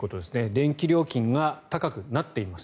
電気料金が高くなっています。